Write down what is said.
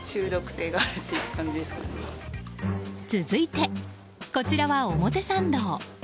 続いて、こちらは表参道。